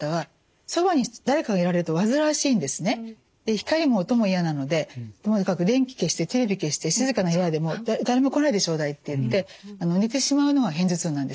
光も音も嫌なのでとにかく電気消してテレビ消して静かな部屋でもう誰も来ないでちょうだいって言って寝てしまうのは片頭痛なんですね。